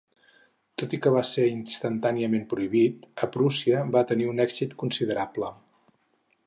Tot i que va ser instantàniament prohibit, a Prússia va tenir un èxit considerable.